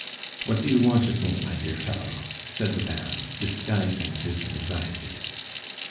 "What do you want of me, my dear fellow?" said the Baron, disguising his anxiety.